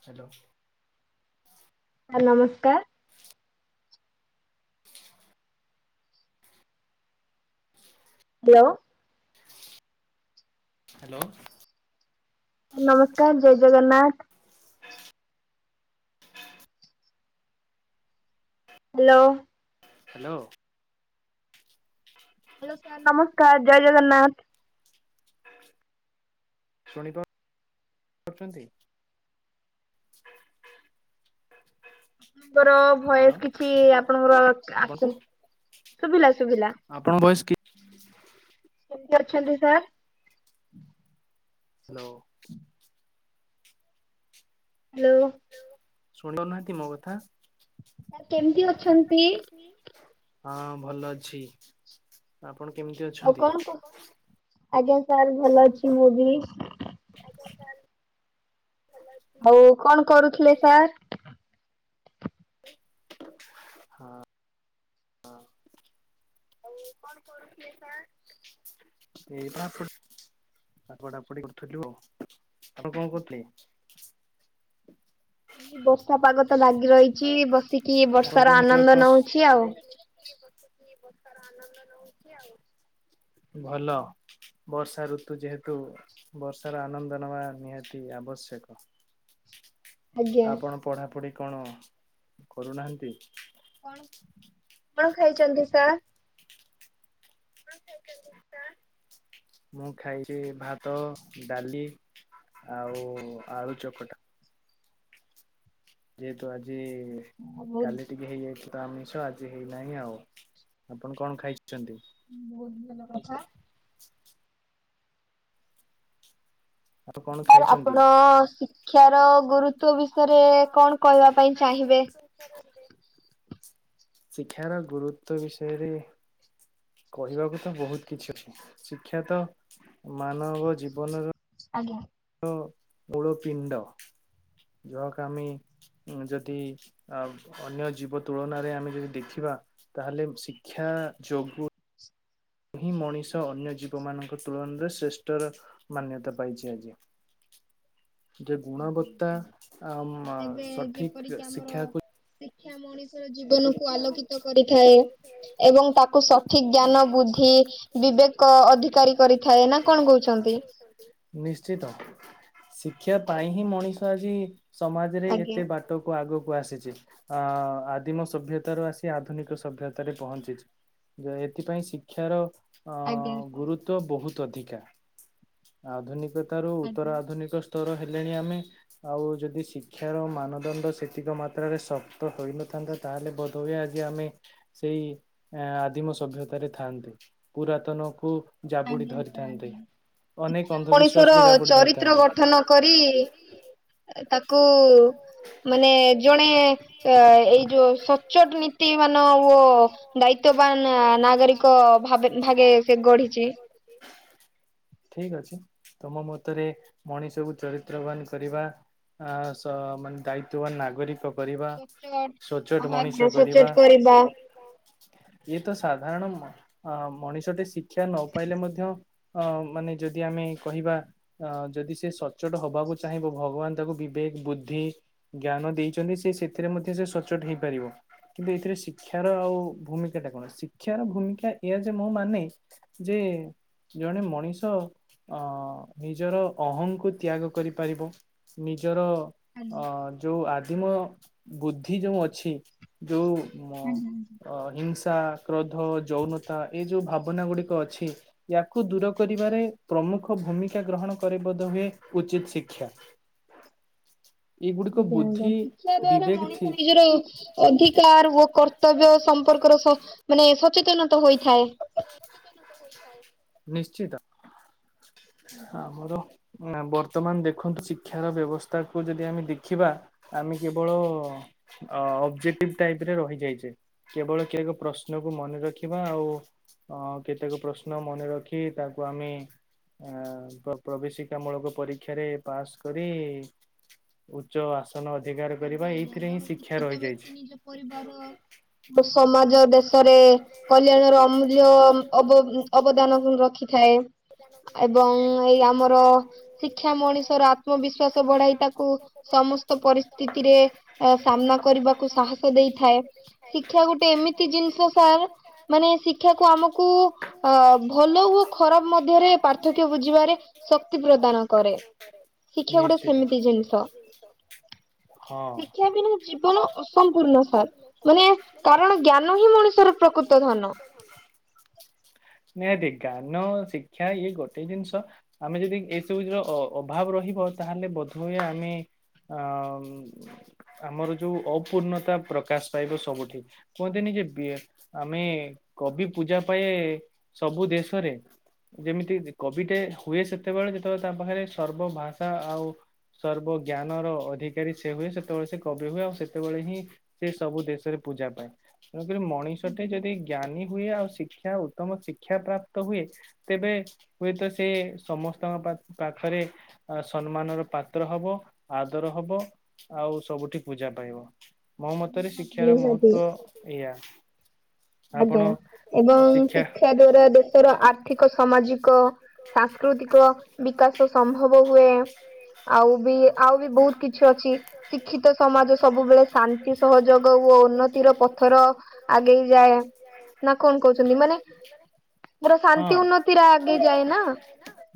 Hello. Sir ନମସ୍କାର। ବୋ hello. ନମସ୍କାର ଜୟ ଜଗନ୍ନାଥ। ହ୍ୟାଲୋ। ହ୍ୟାଲୋ। ହ ହ୍ୟାଲୋ ସାର୍ ନମସ୍କାର। ଜୟ ଜଗନ୍ନାଥ। ଶୁଣିପାରୁଛନ୍ତି। ହ [unintelligible] ଆପଣଙ୍କର ଭଏସ୍ କିଛି ଆପଣଙ୍କର ଆସୁନି। ଶୁଭିଲା ଶୁଭିଲା। ଆପଣ ଭଏସ୍ କି ହୁଁ। କେମତି ଅଛନ୍ତି ସାର୍? ହ୍ୟାଲୋ। ହ୍ୟାଲୋ। ଶଣ୍ଡ ନାହାନ୍ତି ମୋ କଥା। ସାର୍ କେମିତି ଅଛନ୍ତି? ହଁ ଭଲ ଅଛି। ଆପଣ କେମିତି ଆଉ ଅଛନ୍ତି? କଣ କ ଆଜ୍ଞା ସାର୍ ଭଲ ଅଛି ମୁଁ ବି। ଆଜ୍ଞା ସାର୍। ହଉ କଣ କରୁଥିଲେ ସାର୍? ହଁ, ହଁ। ଏଇ ପଢାପୁଡ ଆ, ପଡା ପଡି କରୁଥିଲୁ ଆଉ, ଆପ କଣ କରୁଥିଲେ? [unintelligible] ବର୍ଷା ପାଗ ତ ଭାଗି ରହିଛି ଏ ବସିକି ଆପଣ ବର୍ଷା ଟିକେ ର ନେଟୱାର୍କ କୁ ଆନନ୍ଦ ଆସ ନଉଛି ଆଉ। ଭଲ। ବର୍ଷା ଋତୁ ଯେହେତୁ ବର୍ଷାର ଆନନ୍ଦ ନେବା ନିହାତି ଆବଶ୍ୟକ। ଆଜ୍ଞା। ଆପଣ ପଢାପଢି କଣ କରୁନାହାନ୍ତି? କଣ କଣ ଖାଇଛନ୍ତି ସାର୍? ମୁଁ ଖାଇଛି ଭାତ, ଡାଲି ଆଉ ଆଳୁ ଚକଟା। ଯେହେତୁ ଆଜି ବହୁତ କାଲି ଟିକେ ହେଇଯାଇଥିଲା ତ ଆମିଷ ଆଜି ହେଇନାହିଁ ଆଉ, ଆପଣ କଣ ଖାଇଛନ୍ତି? ବହୁତ ଭଲ କଥା। ଆପଣ କଣ ସାର୍ ଖାଇଛନ୍ତି? ଆପଣ ଶିକ୍ଷାର ଗୁରୁତ୍ଵ ବିଷୟରେ କଣ କହିବା ପାଇଁ ଚାହିଁବେ? ଶିକ୍ଷାର ଗୁରୁତ୍ୱ ବିଷୟରେ କହିବାକୁ ତ ବହୁତ କିଛି ଅଛି। ଶିକ୍ଷା ତ ମାନବ ଜୀବନର ଆଜ୍ଞା। ର ମୂଳ ପିଣ୍ଡ, ଯହାକ ଆମେ ଉଁ ଯଦି ଅ ଅନ୍ୟ ଜୀବ ତୁଳନାରେ ଆମେ ଯଦି ଦେଖିବା ତାହେଲେ ଶିକ୍ଷା ଯୋଗୁ ଏହି ମଣିଷ ଅନ୍ୟ ଜୀବମାନଙ୍କ ତୁଳନାରେ ଶ୍ରେଷ୍ଠର ମାନ୍ୟତା ପାଇଛି ଆଜି। ଯେ ଗୁଣବତ୍ତା ଆ ମ ଏବେ ସଠିକ ଶିକ୍ଷାକୁ ଖିଆ ମଣିଷ ଷ ର ଜୀବନକୁ ଆଲୋକିତ କରିଥାଏ ଏବଂ ତାକୁ ସଠିକ ଜ୍ଞାନ ବୁଦ୍ଧି ବିବେକ ଅଧିକାରୀ କରିଥାଏ। ନା କଣ କହୁଛନ୍ତି? ନିଶ୍ଚିତ, ଶିକ୍ଷା ପାଇଁ ହିଁ ମଣିଷ ଆଜି ସମାଜରେ ଆଜ୍ଞା ଏତେ ବାଟ ଟ କୁ ଆଗକୁ ଆସିଛି ଅ ଆଦିମ ସଭ୍ୟ ତା ରୁ ଆସି ଆଧୁନିକ ସଭ୍ୟତାରେ ପହଞ୍ଚିଛି। ଅ ଏଥିପାଇଁ ଶିକ୍ଷାର ଅ ଗୁରୁତ୍ବ ବହୁତ ଅଧିକା। ଆଧୁନିକ ତା ରୁ ଉତ୍ତର ଆଧୁନିକ ସ୍ତର ହେଲେଣି ଆମେ ଆଉ ଯଦି ଶିକ୍ଷାର ମାନଦଣ୍ଡ ସେତିକ ମାତ୍ରାରେ ଶକ୍ତ ହୋଇନଥାନ୍ତା ତାହେଲେ ବ ତ ଏ ଆଜି ଆମେ ସେଇ ଏଁ ଆଦିମ ସଭ୍ୟତାରେ ଥାଆନ୍ତେ। ପୁରାତନକୁ ଜାବୁଡି ଧରିଥାନ୍ତେ। ଅନେକ ଅନ୍ଧବିଶ୍ୱାସ କୁ ଜାବୁଡି ଧରିଥାନ୍ତେ। ନ କରି ଅ ତାକୁ ମାନେ ଜଣେ ଅ ଏଇ ଯୋଉ ସ ଚୋଟ ନୀତି ମାନ ୱ ଦାୟିତ୍ୱବାନ ନାଗରିକ ଭାବେ ଭାଗେ ସେ ଗଢିଛି। କି ଠିକ ଅଛି, ତମ ମତରେ ମଣିଷ କୁ ଚରିତ୍ରବାନ କରିବା ଆ ସ ମାନେ ଦାୟିତ୍ବବାନ ନାଗରିକ କରିବା ସଚ୍ଚୋଟ ସଚୋଟ ଆଜ୍ଞା ମଣିଷ ସଚେତ କରିବା। କିଏ ତ ସାଧାରଣ ମ ଅଁ ମଣିଷଟେ ଶିକ୍ଷା ନ ପାଇଲେ ମଧ୍ୟ ଅ ମାନେ ଯଦି ଆମେ କହିବା ଅ ଯଦି ସେ ସଚ୍ଚୋଟ ହବାକୁ ଚାହିଁବ ଭଗବାନ ତାକୁ ବିବେକ, ବୁଦ୍ଧି ଜ୍ଞାନ ଦେଇଛନ୍ତି ସେ ସେଥିରେ ମଧ୍ୟ ସେ ସଚ୍ଚୋଟ ହେଇପାରିବ। କିନ୍ତୁ ଏଥିରେ ଶିକ୍ଷାର ଆଉ ଭୂମିକା ଟା କଣ? ଶିକ୍ଷାର ଭୂମିକା ଏଇଆ ଯେ ମୋ ମାନେ ଯେ ଜଣେ ମଣିଷ ଅ ନିଜର ଅହଂ କୁ ତ୍ୟାଗ କରିପାରିବ। ନିଜର ଅ ଯୋଉ ଆଦିମ ବୁଦ୍ଧି ଯୋଉ ଅଛି। ଯୋଉ ମ ଅ ହିଂସା, କ୍ରୋଧ, ଯୌନତା ଏ ଯେଉଁ ଭାବନା ଗୁଡ଼ିକ ଅଛି ୟାକୁ ଦୂର କରିବାରେ ପ୍ରମୁଖ ଭୂମିକା ଗ୍ରହଣ କରେ ବୋଧ ହୁଏ ଉଚିତ ଶିକ୍ଷା। ଏଇଗୁଡିକ ଆଜ୍ଞା ଆଜ୍ଞା। ବୁଦ୍ଧି ଶିକ୍ଷା ଦ୍ଵାରା ବିବେକ ଥି ମଣିଷ ନିଜର ଅଧିକାର୍ ଓ କର୍ତ୍ତବ୍ୟ ସମ୍ପର୍କର ସ ମାନେ ସଚେତନତ ହୋଇଥାଏ। ନିଶ୍ଚିତ, ଆମର ନା ବର୍ତ୍ତମାନ୍ ଦେଖନ୍ତୁ ଶିକ୍ଷାର ବ୍ୟବସ୍ଥାକୁ ଯଦି ଆମେ ଦେଖିବା ଆମେ କେବଳ ଅ ଅବଜେକ୍ଟଟିଭ ଟାଇପ ରେ ରହିଯାଇଛେ। କେବଳ କେ ଏକ ପ୍ରଶ୍ନକୁ ମନେ ରଖିବା ଆଉ ଅ କେତେକ ପ୍ରଶ୍ନ ମନେ ରଖି ତାକୁ ଆମେ ଆଁ ପ୍ର ପ୍ରବେଶିକା ମୂଳକ ପରୀକ୍ଷାରେ ପାସ୍ କରି ଉଚ୍ଚ ଆସନ ଅଧିକାର କରିବା ଏଇଥିରେ ହିଁ ଶିକ୍ଷା ରହିଯାଇଛି। [unintelligible] ଓ ସମାଜ ଦେଶରେ କଲ୍ୟାଣର ଅମୂଲ୍ୟ ଅବ ଅବଦାନ କୁ ରଖିଥାଏ। ଏବଂ ଏଇ ଆମର ଶିକ୍ଷା ମଣିଷର ଆତ୍ମବିଶ୍ଵାସ ବଢାଇ ତାକୁ ସମସ୍ତ ପରିସ୍ଥି ତିରେ ଏ ସାମ୍ନା କରିବାକୁ ସାହସ ଦେଇଥାଏ ଶିକ୍ଷା ଗୋଟେ ଏମିତି ଜିନିଷ ସାର୍ ମାନେ ଶିକ୍ଷାକୁ ଆମକୁ ଅ ଭଲ ହୁଅ ଓ ଖରାପ ମ ଧ୍ୟରେ ପାର୍ଥକ୍ୟ ବୁଝିବାରେ ଶକ୍ତି ପ୍ରଦାନ କରେ। ଶିକ୍ଷା ଗୋଟେ ନିଶ୍ଚିତ। ସେମିତି ଜିନିଷ ହଁ ଶିକ୍ଷା ବିନା ଜୀବନ ଅସମ୍ପୂର୍ଣ୍ଣ ସାର୍। ମାନେ କାରଣ ଜ୍ଞାନ ହିଁ ମଣିଷର ପ୍ରକୃତ ଧନ। ନିହାତି ଜ୍ଞାନ ଓ ଶିକ୍ଷା ଇଏ ଗୋଟେ ଜିନିଷ ଆମେ ଯଦି ଏସବୁର ଅଭାବ ରହିବ ତାହେଲେ ବୋଧହୁଏ ଆମେ ଆ ଆମର୍ ଯୋଉ ଅପୂର୍ଣତା ପ୍ରକାଶ ପାଇବ ସବୁଠି କୁହନ୍ତିନି କି ବେ ଆମେ କବି ପୂଜା ପାଏ ସବୁ ଦେଶରେ ଯେମିତି କବିଟେ ହୁଏ ସେତେବେଳେ ଯେତେବେଳେ ତା ପାଖରେ ସର୍ବ ଭାଷା ଆଉ ସର୍ବଜ୍ଞାନର ଅଧିକାରୀ ସେ ହୁଏ ସେତେବେଳେ ସେ କବି ହୁଏ ଆଉ ସେତେବେଳେ ହିଁ ସେ ସବୁ ଦେଶରେ ପୂଜା ପାଏ। ତେଣୁକରି ମଣିଷଟେ ଯଦି ଜ୍ଞାନୀ ହୁଏ ଆଉ ଶିକ୍ଷା ଉତ୍ତମ ଶିକ୍ଷା ପ୍ରାପ୍ତ ହୁଏ। ତେବେ ହୁଏତ ସେ ସମସ୍ତଙ୍କ ପା ପାଖରେ ସମ୍ମାନର ପାତ୍ର ହବ ଆଦର ହବ। ଆଉ ସବୁଠି ପୂଜା ପାଇବ। ମୋ ମତରେ ଶିକ୍ଷାର ନିହାତି। ମହତ୍ଵ ଏଇଆ। ଆପଣ ଆଜ୍ଞା ଏବଂ ଶିକ୍ଷା ଦ୍ଵାରା ଦେଶର ଆର୍ଥି କ ସାମାଜିକ ସାଂସ୍କୃତିକ ବିକାଶ ସମ୍ଭବ ହୁଏ। ଆଉ ବି ଆଉ ବି ବହୁତ୍ କିଛି ଅଛି ଶିକ୍ଷିତ ସମାଜ ସବୁବେଳେ ଶାନ୍ତି ସହଯୋଗ ଓ ଉନ୍ନତିର ପଥର ଆଗେଇ ଯାଏ। ନା କଣ କହୁଛନ୍ତି ମାନେ ମୋର ହଁ ଶାନ୍ତି ଉନ୍ନତିରେ ଆଗେଇ ଯାଏ ନା?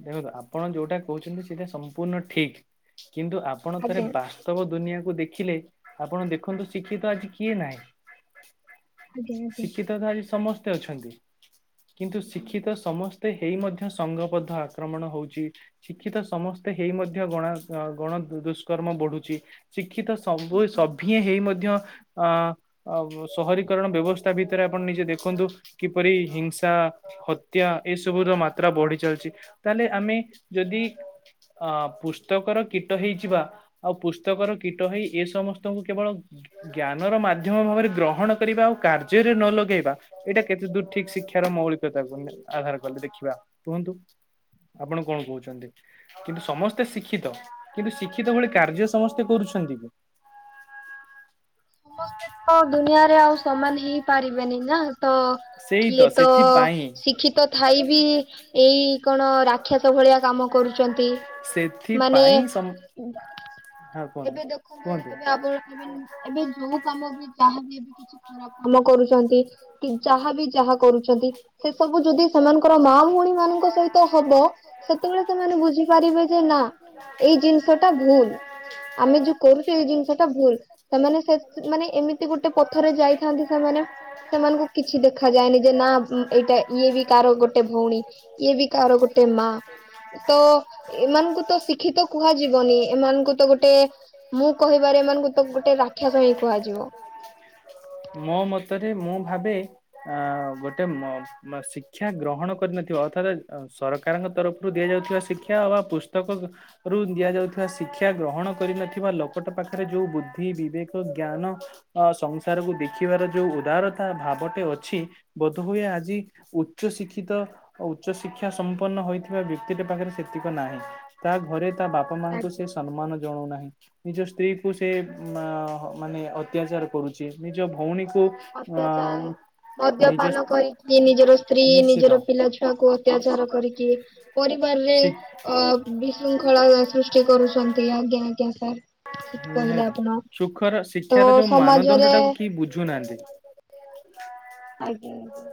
ଦେଖନ୍ତୁ ଆପଣ ଯୋଉଟା କହୁଛନ୍ତି ସେଟା ସମ୍ପୂର୍ଣ୍ଣ ଠିକ୍ କିନ୍ତୁ ଆପଣ ଥରେ ଆଜ୍ଞା। ବା ସ୍ତବ ଦୁନିଆ କୁ ଦେଖିଲେ ଆପଣ ଦେଖନ୍ତୁ ଶିକ୍ଷିତ ଆଜି କିଏ ନାହିଁ? ହୁଁ ହୁଁ। ତ ଶିକ୍ଷିତ ଧାରି ସମସ୍ତେ ଅଛନ୍ତି କିନ୍ତୁ ଶିକ୍ଷିତ ସମସ୍ତେ ତ ହେଇ ମଧ୍ୟ ସଂଘବଦ୍ଧ ଆକ୍ରମଣ ହଉଛି ଶିକ୍ଷିତ ସମସ୍ତେ ହେଇ ମଧ୍ୟ ଗଣା ଗଣ ଦୁଷ୍କର୍ମ ବଢୁଛି ଶିକ୍ଷିତ ସବୁ ସଭିଏ ହେଇ ମଧ୍ୟ ଆ ଅ ସହରୀକରଣ ବ୍ୟବସ୍ଥା ଭିତରେ ଆପଣ ନିଜେ ଦେଖନ୍ତୁ କିପରି ହିଂସା ହତ୍ୟା ଏସବୁ ର ମାତ୍ରା ବଢି ଚାଲିଛି ତାହେଲେ ଆମେ ଯଦି ଅ ପୁସ୍ତକର କୀଟ ହେଇଯିବା ଆଉ ପୁସ୍ତକର କୀଟ ହେଇ ଏ ସମସ୍ତଙ୍କୁ କେବଳ ଜ୍ଞାନର ମାଧ୍ୟମ ଭାବରେ ଗ୍ରହଣ କରିବା ଆଉ କାର୍ଯ୍ୟରେ ନ ଲଗେଇବା ଏଇଟା କେତେ ଦୂର ଠିକ ଶିକ୍ଷାର ମୌଳିକତାକୁ ଆଧାର କଲେ ଦେଖିବା କୁହନ୍ତୁ? ଆପଣ କଣ କହୁଛନ୍ତି? କିନ୍ତୁ ସମସ୍ତେ ଶିକ୍ଷିତ କିନ୍ତୁ ଶିକ୍ଷିତ ଭଳି କାର୍ଯ୍ୟ ସମସ୍ତେ କରୁଛନ୍ତି କି? ସମସ୍ତେ ତ ଦୁନିଆରେ ଆଉ ସମାନ ହେଇପାରିବେନି ନା ତ ସେଇ କିଏ ତ ସେଥିପାଇଁ ଶିକ୍ଷିତ ଥାଇ ବି ଏଇ କଣ ରାକ୍ଷା ସ ଭଳିଆ କାମ କରୁଛନ୍ତି ମାନେ ସେଥିପାଇଁ ସମ ହଁ କୁହନ୍ତୁ ଏବେ ଦେଖନ୍ତୁ କୁହନ୍ତୁ। ଏବେ ଆମର ଏବେ ଯୋଉ କାମ ବି ଯାହାବ ଏବେ କିଛି ଖରାପ କାମ କରୁଛନ୍ତି କି ଯାହା ବି ଯାହା କରୁଛନ୍ତି ସେ ସବୁ ଯଦି ସେମାନଙ୍କର ମା ଭଉଣୀ ମାନଙ୍କ ସହିତ ହବ ସେତେବେଳେ ସେମାନେ ବୁଝିପାରିବେ ଯେ ନା ଏଇ ଜିନିଷ ଟା ଭୁଲ ଆମେ ଯୋଉ କରୁଚେ ଏଇ ଜିନିଷ ଟା ଭୁଲ ସେମାନେ ସେ ମାନେ ଏମିତି ଗୋଟେ ପଥରେ ଯାଇଥାନ୍ତି ସେମାନେ ସେମାନଙ୍କୁ କିଛି ଦେଖାଯାଏନି ଯେ ନା ଏଇଟା ଇଏ ବି କାହାର ଗୋଟେ ଭଉଣୀ ଇଏ ବି କାର ଗୋଟେ ମା ତ ଏମାନଙ୍କୁ ତ ଶିକ୍ଷିତ କୁହାଯିବନି ଏମାନଙ୍କୁ ତ ଗୋଟେ ମୁଁ କହିବାରେ ଏମାନଙ୍କୁ ତ ଗୋଟେ ରାକ୍ଷସ ହିଁ କୁହାଯିବ। ମୋ ମତରେ ମୁଁ ଭାବେ ଆଁ ଗୋଟେ ଶିକ୍ଷା ଗ୍ରହଣ କରିନଥିବ ଅର୍ଥାତ ସରକାର ସରକାରଙ୍କ ତରଫରୁ ଦିଆଯାଉଥିବା ଶିକ୍ଷା ଅବା ପୁସ୍ତକ ରୁ ଦିଆଯାଉଥିବା ଶିକ୍ଷା ଗ୍ରହଣ କରିନଥିବା ଲୋକଟା ପାଖରେ ଯୋଉ ବୁଦ୍ଧି ବିବେକ ଜ୍ଞାନ ଅ ସଂସାରକୁ ଦେଖିବାର ଯୋଉ ଉଦାରତା ଭାବଟେ ଅଛି ବୋଧହୁଏ ଆଜି ଉଚ୍ଚ ଶିକ୍ଷିତ ଉଚ୍ଚଶିକ୍ଷା ସମ୍ପନ୍ନ ହୋଇଥିବା ବ୍ୟକ୍ତିଟ ପାଖରେ ସେତିକ ନାହିଁ। ତା ଘରେ ତା ବାପା ମାଙ୍କୁ ସେ ସମ୍ମାନ ଜଣଉ ନାହିଁ ନିଜ ସ୍ତ୍ରୀ କୁ ସେ ମାନେ ଅତ୍ୟାଚାର କରୁଚି ନିଜ ଭଉଣୀକୁ ଅତ୍ୟାଚାର ଅ ନିଜ ମଦ୍ୟପାନ କରିକି ନିଜର ସ୍ତ୍ରୀ ନିଶ୍ଚିତ ନିଜର ପିଲାଛୁଆକୁ ଅତ୍ୟାଚାର କରିକି ପରିବାରରେ ଶି ଅ ବିଶୃଙ୍ଖଳା ସୃଷ୍ଟି କରୁଛନ୍ତି ଆଜ୍ଞା ଆଜ୍ଞା ସାର୍। ଠିକ କହିଲେ [unintelligible] ଆପଣ ସୁଖର ତ ଶିକ୍ଷାର ଯୋଉ ସମାଜରେ ମାନଦଣ୍ଡଟାକୁ କିଏ ବୁଝୁ ନାହାନ୍ତି। ଆଜ୍ଞା ଆଜ୍ଞା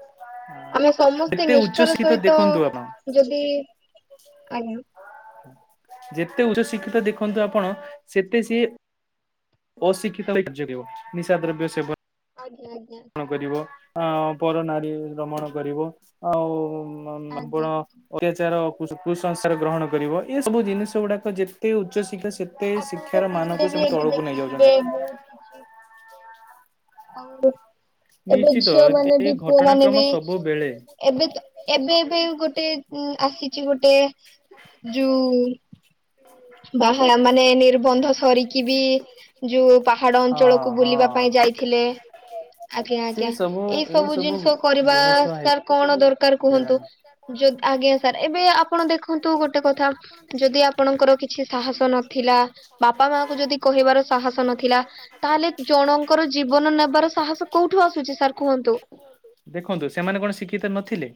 ଆମେ ସମସ୍ତେ ଯେତେ ଉଚ୍ଚ ନିଷ୍ଠାର ଶିକ୍ଷିତ ସହିତ ଦେଖନ୍ତୁ ଆପଣ ଯଦି ଇ ଆଜ୍ଞା। ଯେତେ ଉଚ୍ଚ ଶିକ୍ଷିତ ଦେଖନ୍ତୁ ଆପଣ ସେତେ ସିଏ ଅଶିକ୍ଷିତ [unintelligible] ନିଶା ଦ୍ରବ୍ୟ ସେବ ଆଜ୍ଞା ଆଜ୍ଞା। କରିବ ପର ନାରୀ ରମଣ କରିବ ଆଉ ଆଜ୍ଞା ଆ ଅତ୍ୟାଚାର କୁସଂସ୍କାର ଗ୍ରହଣ କରିବ ଏସବୁ ଜିନିଷ ଗୁଡ଼ାକ ଯେତେ ଉଚ୍ଚଶିକ୍ଷା ସେ ଆପଣ ତ ଟିଭିରେ ବି ଏବେ ଦେଖିଥିବେ ଯାଉଛନ୍ତି ବହୁତ କିଛି ଆଉ ଏବେ ନିଶ୍ଚିତ ଝିଅ ମାନେ ଏ ବି ପୁଅ ମାନେ ଘଟଣାକ୍ରମ ବି ସବୁବେଳେ ଏବେ ଏବେ ଏବେ ଗୋଟେ ଆସିଚି ଗୋଟେ ଯୋଉ ବାହା ମାନେ ନିର୍ବନ୍ଧ ସରିକି ବି ଯୋଉ ପାହାଡ ହଁ ଅଞ୍ଚଳକୁ ବୁଲିବା ହଁ ପାଇଁ ଯାଇଥିଲେ ଆଜ୍ଞା ଆଜ୍ଞା ଏଇ ସବୁ ଜିନିଷ କରିବା ଦେହସୁଆ ସାର୍ କଣ ଦରକାର କୁହନ୍ତୁ ହେଇଗଲାଣି ଆଜ୍ଞା ସାର୍ ଏବେ ଆପଣ ଦେଖନ୍ତୁ ଗୋଟେ କଥା ଯଦି ଆପଣଙ୍କର କି କିଛି ସାହସ ନଥିଲା ବାପା ମା କୁ ଯଦି କହିବାର ସାହସ ନଥିଲା ତାହେଲେ ଜଣଙ୍କର ଜୀବନ ନେବାର ସାହସ କୋଉଠୁ ଆସୁଛି ସାର୍ କୁହନ୍ତୁ ଦେଖନ୍ତୁ ସେମାନେ କଣ ଶିକ୍ଷିତ ନଥିଲେ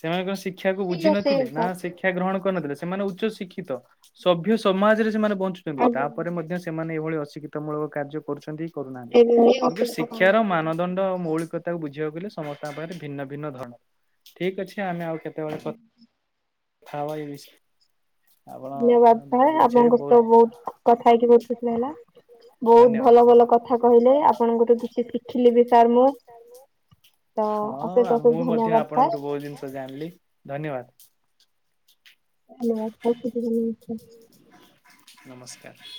ସେମାନେ କଣ ଶିକ୍ଷାକୁ ସେଇଆ ବୁଝିିନଥିଲେ ସେଇଆ ନା ସାର୍। ସିଖ ଶିକ୍ଷା ଗ୍ରହଣ କରିନଥିଲେ। ସେମାନେ ଉଚ୍ଚ ଶିକ୍ଷିତ। ସଭ୍ୟ ସମାଜରେ ସେମାନେ ବଞ୍ଚୁଚନ୍ତି ଆଜ୍ଞା। ତାପରେ ମଧ୍ୟ ସେମାନେ ଏଇଭଳି ଅଶିକ୍ଷିତ ମୂଳକ କାର୍ଯ୍ୟ କରୁଚନ୍ତି କି ଏବେ କରୁନାହାନ୍ତି। ବି କିନ୍ତୁ ଅଫିସର କାମ ଶିକ୍ଷାର କରିବି। ମାନଦଣ୍ଡ ମୌଳିକ ତାକୁ ବୁଝିବାକୁ ଗଲେ ସମସ୍ତଙ୍କ ପାଖରେ ଭିନ୍ନ ଭିନ୍ନ ଧରଣ। ଠିକ ଅଛି ଆମେ ଆଉ କେତେବେଳେ କଥା ହବା ଏ ବିଷୟ ରେ। ଧନ୍ୟବାଦ ଆପ। ଆପଣଙ୍କ ସହିତ ବହୁତ କଥା ହେଇକି ବହୁତ ଖୁସି ଲାଗିଲା। ବହୁତ ଧନ୍ୟବାଦ ଭଲ ଭଲ କଥା କହିଲେ ଆପଣଙ୍କଠୁ କିଛି ଶିଖିଲି ବି ସାର୍ ମୁଁ। ତ ହଁ ଅସେସ୍ ମୁଁ ଅସେସ୍ ଧନ୍ୟ ମଧ୍ୟ ଆପଣଙ୍କଠୁ ବହୁତ ଜିନିଷ ଜାଣିଲି। ଧନ୍ୟବାଦ। [inaudible] ନମସ୍କାର।